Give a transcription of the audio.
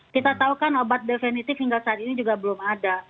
kita tahu kan obat definitif hingga saat ini juga belum ada